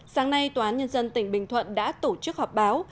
sáng nay tòa án nhân dân tỉnh bình thuận đã tổ chức họp báo